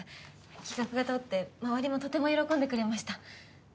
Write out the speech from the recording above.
企画が通って周りもとても喜んでくれました。